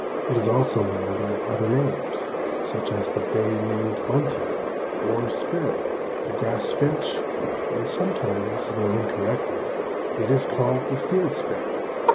It is also known by other names such as the Bay winged Bunting or Sparrow, the Grass Finch and sometimes, though incorrectly, it is called the Field Sparrow.